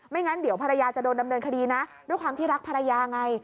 งั้นเดี๋ยวภรรยาจะโดนดำเนินคดีนะด้วยความที่รักภรรยาไง